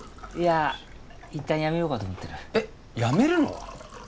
いやいったんやめようかと思ってるえっやめるの？